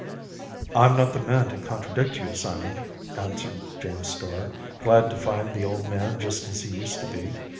"I'm not the man to contradict you, Simon," answered James Starr, glad to find the old man just as he used to be.